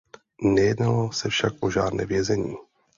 Nejednalo se však o žádné věznění.